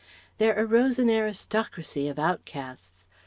There arose an aristocracy of outcasts.